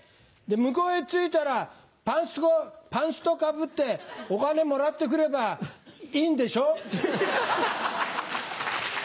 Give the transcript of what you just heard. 向こうに着いたらパンストかぶってお金もらってくればいいんでしょ？